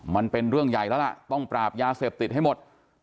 มันเป็นเรื่องใหญ่แล้วล่ะต้องปราบยาเสพติดให้หมด